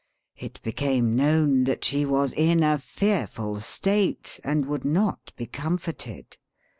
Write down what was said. It became known that she was in a fearful state, and would not be comforted.